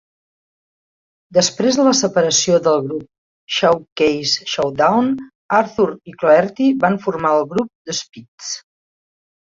Després de la separació del grup Showcase Showdown, Arthur i Cloherty van formar el grup The Spitzz.